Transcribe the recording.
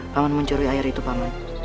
paman mencuri air itu pangli